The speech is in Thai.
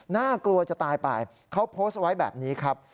น่ากลัวจะตายไปเขาโพสต์ไว้แบบนี้ครับ